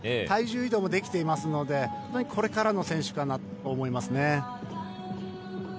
体重移動もできているのでこれからの選手かなと思います。